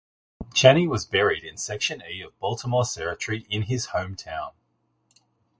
Chaney was buried in Section E of Baltimore Cemetery in his hometown.